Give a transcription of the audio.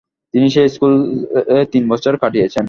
তিনি সেই স্কুলে তিন বছর কাটিয়েছেন।